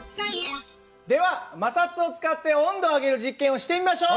では摩擦を使って温度を上げる実験をしてみましょう！